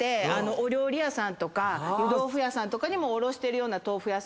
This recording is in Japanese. お料理屋さんとか湯豆腐屋さんとかにも卸してるような豆腐屋さんで。